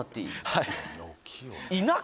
はい。